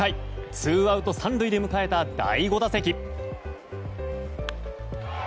ツーアウト３塁で迎えた第５打席。